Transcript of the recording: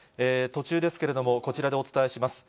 途中ですけれども、こちらでお伝えします。